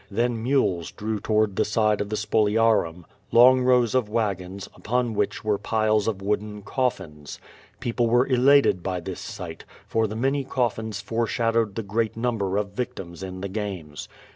Then mules drew toward the side of the spoliarum long rows of wagons, upon whidi were piles of wooden coffins. People were elated by this sight, for the many coffins fore shadowed the great number of victims in the games.